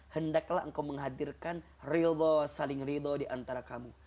hendaklah engkau menghadirkan rido saling rido diantara kamu